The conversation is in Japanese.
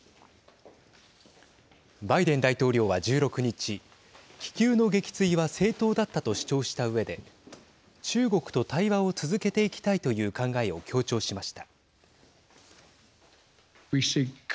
バイデン大統領は１６日気球の撃墜は正当だったと主張したうえで中国と対話を続けていきたいという考えを強調しました。